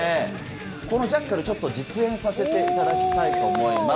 このジャッカル、ちょっと実演させていただきたいと思います。